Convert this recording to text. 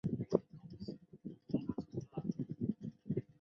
小枝具星状短柔毛。